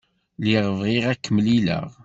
Lliɣ bɣiɣ ad k-mlileɣ.